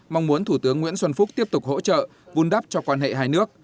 mong muốn thủ tướng nguyễn xuân phúc tiếp tục hỗ trợ vun đắp cho quan hệ hai nước